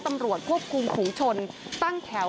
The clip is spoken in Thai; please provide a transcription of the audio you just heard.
ตำรวจควบคุมฝุงชนตั้งแถว